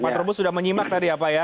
pak trubus sudah menyimak tadi ya pak ya